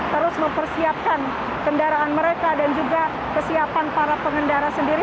terus mempersiapkan kendaraan mereka dan juga kesiapan para pengendara sendiri